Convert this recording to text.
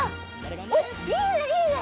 おっいいねいいね！